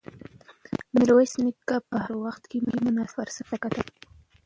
میرویس نیکه به هر وخت مناسب فرصت ته کتل.